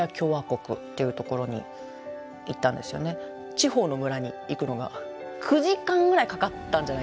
地方の村に行くのが９時間ぐらいかかったんじゃないかな。